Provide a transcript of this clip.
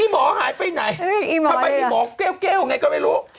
หมอหายไปไหนทำไมหมอแก้วไงก็ไม่รู้